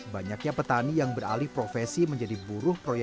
banyaknya petani yang beralih profesi menjadi buruh proyek